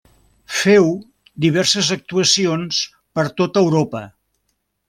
Féu diverses actuacions per tot Europa.